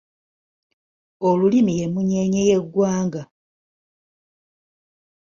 Olulimi y'emmunyeenye y'eggwanga.